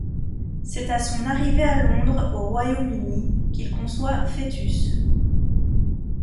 C'est à son arrivée à Londres, au Royaume-Uni qu'il conçoit Foetus.